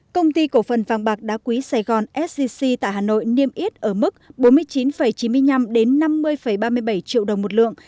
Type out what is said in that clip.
công ty cổ phần vàng bạc đá quý sài gòn sgc tại hà nội niêm yết ở mức bốn mươi chín chín mươi năm năm mươi ba mươi bảy triệu đồng một lượng